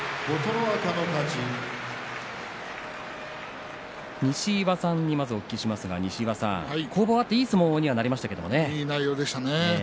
拍手西岩さん、お聞きしますが攻防があっていい相撲にいい相撲でしたね